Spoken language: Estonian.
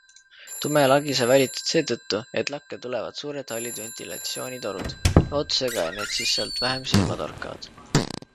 Tume lagi sai valitud seetõttu, et lakke tulevad suured hallid ventilatsioonitorud - lootusega, et need siis sealt vähem silma torkavad.